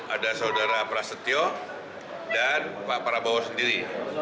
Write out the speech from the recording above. ada saudara prasetyo dan pak prabowo sendiri